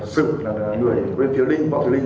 sự là người võ thùy linh là người làm bỏ chém đầu tiên